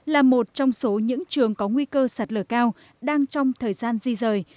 là một trong số những trường có nguy cơ sạt lở cao đang trong thời gian di rời